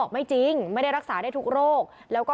ทั้งหมดนี้คือลูกศิษย์ของพ่อปู่เรศรีนะคะ